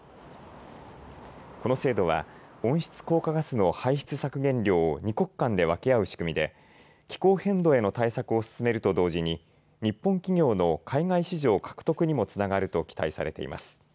この制度は温室効果ガスの排出削減量を二国間で分け合う仕組みで気候変動への対策を進めると同時に日本企業の海外市場獲得にもつながると期待されています。